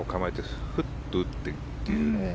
ふっと打っていくっていう。